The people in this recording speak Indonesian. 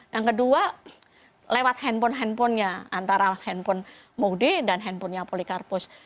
yang kedua lewat handphone handphonenya antara handphone mode dan handphonenya polikarpus